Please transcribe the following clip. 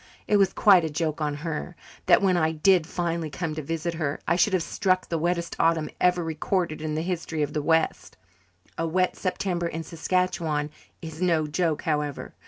It was quite a joke on her that, when I did finally come to visit her, I should have struck the wettest autumn ever recorded in the history of the west. A wet September in Saskatchewan is no joke, however.